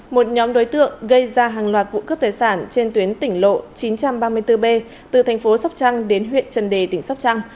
một nhóm đối tượng gây ra hàng loạt vụ cướp tài sản trên tuyến tỉnh lộ chín trăm ba mươi bốn b từ thành phố sóc trăng đến huyện trần đề tỉnh sóc trăng